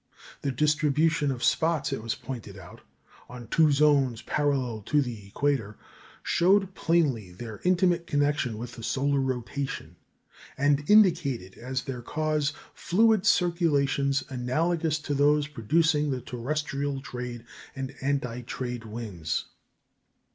The distribution of spots, it was pointed out, on two zones parallel to the equator, showed plainly their intimate connection with the solar rotation, and indicated as their cause fluid circulations analogous to those producing the terrestrial trade and anti trade winds.